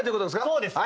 そうです。